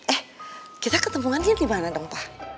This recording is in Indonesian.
eh kita ketemu nanti dimana dong pa